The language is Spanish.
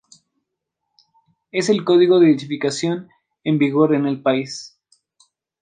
Es el código de edificación en vigor en el país.